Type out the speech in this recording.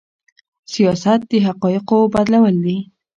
سياست د حقايقو بدلول دي.